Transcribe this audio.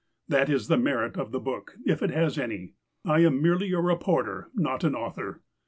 That is the merit of the book, if it has any. I am merely a reporter, not an author.